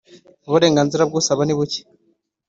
uburenganzira bw ‘usaba nibuke.